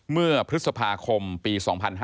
เมื่อพฤษภาคมปี๒๕๕๙